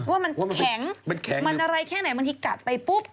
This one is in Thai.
ว่ามันแข็งมันอะไรแค่ไหนบางทีกัดไปปุ๊บ